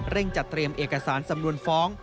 จัดเตรียมเอกสารสำนวนฟ้อง